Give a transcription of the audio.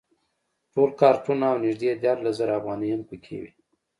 ټول کارتونه او نږدې دیارلس زره افغانۍ هم په کې وې.